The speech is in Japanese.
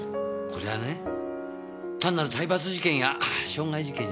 こりゃね単なる体罰事件や傷害事件じゃない。